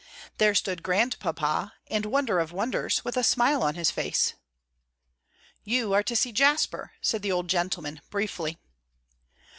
There stood Grandpapa, and, wonder of wonders, with a smile on his face! "You are to see Jasper," said the old gentleman, briefly.